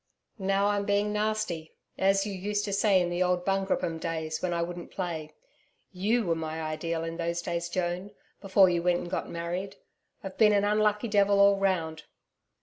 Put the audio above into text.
Now I'm being nasty, as you used to say in the old Bungroopim days when I wouldn't play. YOU were my Ideal, in those days, Joan before you went and got married. I've been an unlucky devil all round.